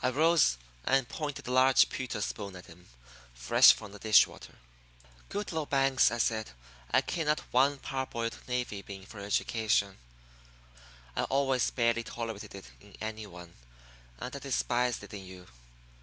I rose and pointed a large pewter spoon at him, fresh from the dish water. "Goodloe Banks," I said, "I care not one parboiled navy bean for your education. I always barely tolerated it in any one, and I despised it in you.